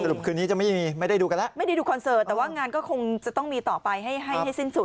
รุปคืนนี้จะไม่มีไม่ได้ดูกันแล้วไม่ได้ดูคอนเสิร์ตแต่ว่างานก็คงจะต้องมีต่อไปให้ให้สิ้นสุด